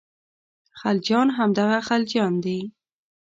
خلجیان همدغه غلجیان دي.